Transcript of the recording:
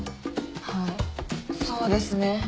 はいそうですね